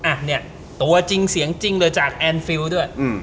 อ่ะเนี่ยตัวจริงเสียงจริงเลยจากแอนฟิลด้วยอืม